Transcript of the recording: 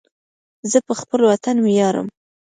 زه پر خپل وطن ویاړم